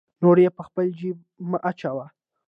نورې په خپل جیب مه اچوه.